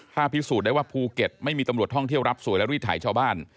ถ้าพิสูจน์ได้ว่าภูเก็ตไม่มีตำรวจท่องเที่ยวรับสวยและรีดถ่ายชาวบ้าน